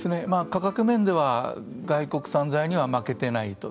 価格面では、外国産材には負けていないと。